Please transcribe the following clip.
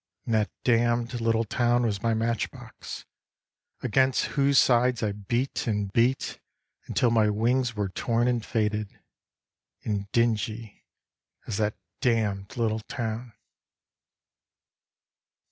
And that damned little town was my match box, Against whose sides I beat and beat Until my wings were torn and faded, and dingy As that damned little town.